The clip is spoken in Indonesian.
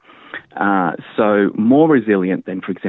jadi lebih berresilien daripada